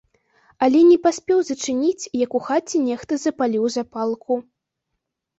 Але не паспеў зачыніць, як у хаце нехта запаліў запалку.